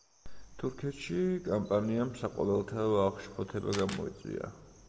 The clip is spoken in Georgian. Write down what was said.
თურქეთში კამპანიამ საყოველთაო აღშფოთება გამოიწვია.